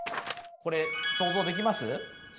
これ想像できます？